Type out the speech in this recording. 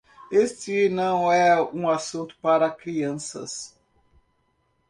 Este não é um assunto para crianças